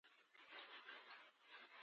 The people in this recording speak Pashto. تور وهه په مخه ولاړ سه